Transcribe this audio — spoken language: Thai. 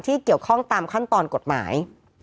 เกี่ยวข้องตามขั้นตอนกฎหมาย